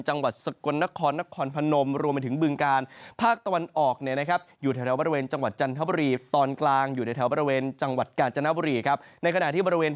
จังหวัดอุบรรถราชธานีอำนาจรณจังหวัดศกวรนค์นครพณม